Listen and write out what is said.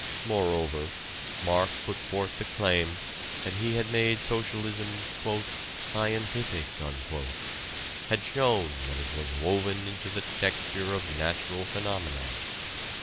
Moreover, Marx put forth the claim that he had made socialism "scientific" had shown that it was woven into the texture of natural phenomena.